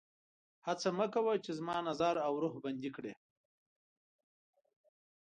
هڅه مه کوه چې زما نظر او روح بندي کړي